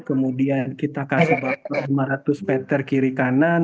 kemudian kita kasih bapak lima ratus meter kiri kanan